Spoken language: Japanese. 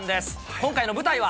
今回の舞台は。